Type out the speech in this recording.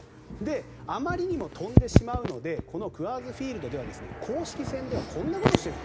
あまりにも飛んでしまうのでこのクアーズ・フィールドでは公式戦ではこんなことをしていると。